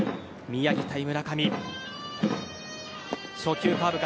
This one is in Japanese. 宮城対村上。